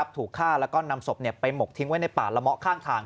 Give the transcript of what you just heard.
ถูกฆ่าแล้วก็นำศพไปหมกทิ้งไว้ในป่าละเมาะข้างทาง